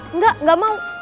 enggak enggak mau